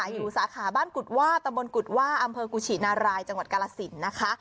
อยู่ใส่สาขาบ้านกุดวาตะบลกุดวาอำเภอกกุชินารายจังหวัดกรรศิลป์